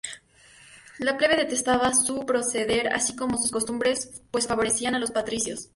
La plebe detestaba su proceder así como sus costumbres pues favorecían a los patricios.